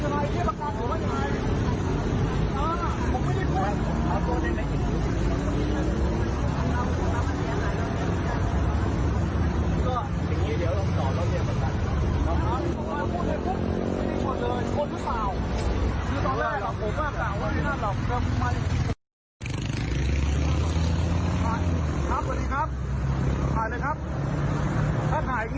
ถ้าถ่ายอย่างนี้ยิ่งแล้วยิ่งแล้วใหญ่เลย